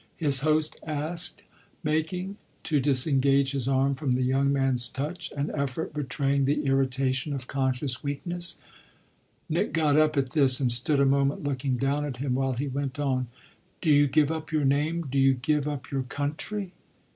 his host asked, making, to disengage his arm from the young man's touch, an effort betraying the irritation of conscious weakness. Nick got up at this and stood a moment looking down at him while he went on: "Do you give up your name, do you give up your country?"